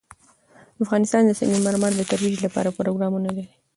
افغانستان د سنگ مرمر د ترویج لپاره پروګرامونه لري.